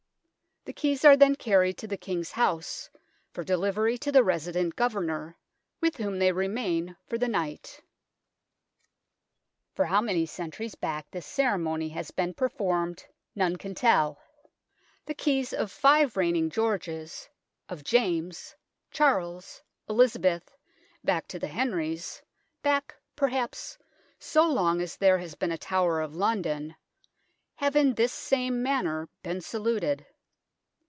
" The keys are then carried to the King's House, for delivery to the Resident Governor, with whom they remain for the night. ENTRANCE TOWERS 147 For how many centuries back this cere mony has been performed none can tell ; the keys of five reigning Georges, of James, Charles, Elizabeth, back to the Henrys back, perhaps, so long as there has been a Tower of London have in this same manner been saluted.